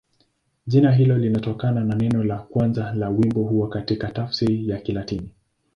Jina hilo linatokana na neno la kwanza la wimbo huo katika tafsiri ya Kilatini.